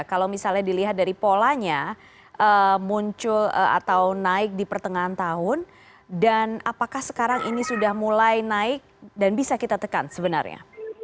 kalau misalnya dilihat dari polanya muncul atau naik di pertengahan tahun dan apakah sekarang ini sudah mulai naik dan bisa kita tekan sebenarnya